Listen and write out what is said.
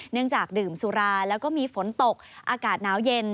เนื่องจากดื่มสุราแล้วก็มีฝนตกอากาศหนาวเย็น